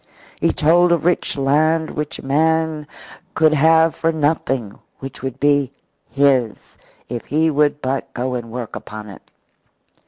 He told of rich land which a man could have for nothing, which would be his, if he would but go and work upon it.